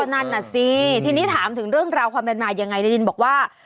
นั่นน่ะสิทีนี้ถามถึงเรื่องราวความเป็นมายังไงในดินบอกว่า